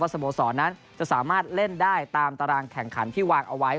สโมสรนั้นจะสามารถเล่นได้ตามตารางแข่งขันที่วางเอาไว้